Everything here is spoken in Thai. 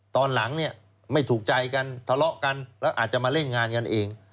ตอนหลังเนี่ยไม่ถูกใจกันทะเลาะกันแล้วอาจจะมาเล่นงานกันเอง